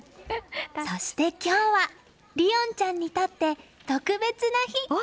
そして今日は凜音ちゃんにとって特別な日。